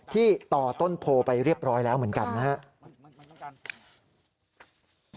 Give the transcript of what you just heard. ที่ต่อต้นโพไปเรียบร้อยแล้วเหมือนกันนะครับ